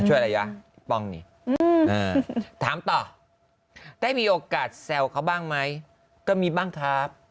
อะไรยะป้องนี่ถามต่อได้มีโอกาสแซวเขาบ้างไหมก็มีบ้างครับ